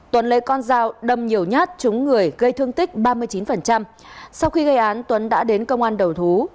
tuấn lấy con dao đâm nhiều nhát trúng người gây thương tích ba mươi chín sau khi gây án tuấn đã đến công an đầu thú